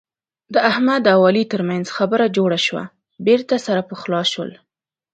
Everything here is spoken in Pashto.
د احمد او علي ترمنځ خبره جوړه شوه. بېرته سره پخلا شول.